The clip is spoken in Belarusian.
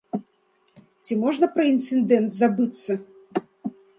Ці можна пра інцыдэнт забыцца?